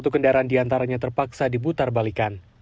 dua puluh satu kendaraan diantaranya terpaksa diputar balikan